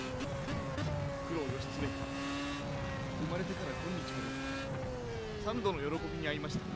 九郎義経生まれてから今日まで３度の喜びにあいました。